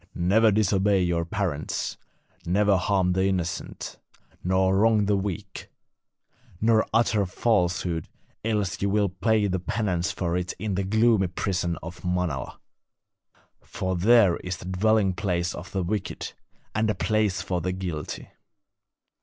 Never disobey your parents; never harm the innocent, nor wrong the weak, nor utter falsehood, else ye will pay the penance for it in the gloomy prison of Manala; for there is the dwelling place of the wicked, and a place for the guilty.